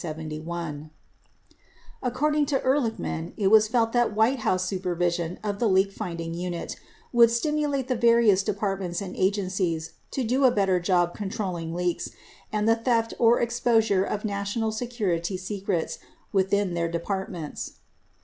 67 According to Ehrlichman, it was felt that White House supervision of the Teak finding unit would "stimulate the various departments and agencies to do a better job controlling leaks and the theft or other exposure of National se curity secrets from within their departments."